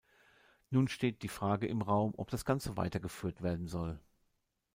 Nun steht die Frage im Raum, ob das Ganze weitergeführt werden soll.